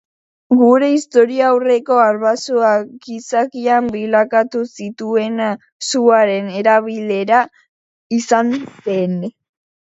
Gure historiaurreko arbasoak gizakian bilakatu zituena suaren erabilera izan zen.